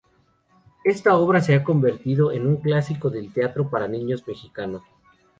Esta obra se ha convertido en un clásico del teatro para niños mexicano.